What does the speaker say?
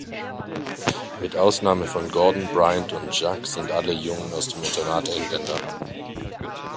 Mit Ausnahme von Gordon, Briant und Jacques sind alle Jungen aus dem Internat Engländer.